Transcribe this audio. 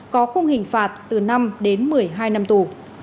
có khung hình phạt từ năm đến một mươi hai năm tù